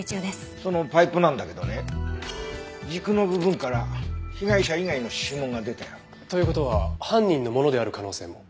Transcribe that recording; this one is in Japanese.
そのパイプなんだけどね軸の部分から被害者以外の指紋が出たよ。という事は犯人のものである可能性も？